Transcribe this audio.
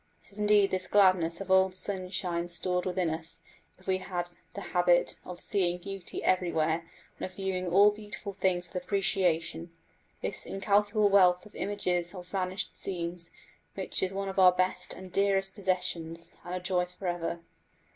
It is indeed this "gladness" of old sunshine stored within us if we have had the habit of seeing beauty everywhere and of viewing all beautiful things with appreciation this incalculable wealth of images of vanished scenes, which is one of our best and dearest possessions, and a joy for ever.